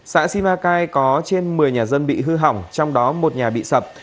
xã simacai có trên một mươi nhà dân bị hư hỏng trong đó một nhà bị sập